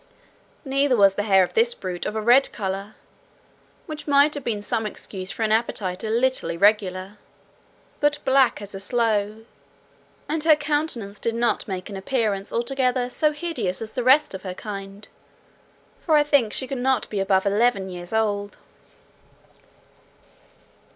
Neither was the hair of this brute of a red colour (which might have been some excuse for an appetite a little irregular), but black as a sloe, and her countenance did not make an appearance altogether so hideous as the rest of her kind; for I think she could not be above eleven years old.